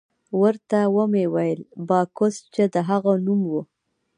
ورته ومې ویل: باکوس، چې د هغه نوم وو.